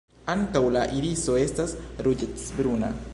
Ankaŭ la iriso estas ruĝecbruna.